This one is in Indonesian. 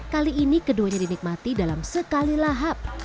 kali ini keduanya dinikmati dalam sekali lahap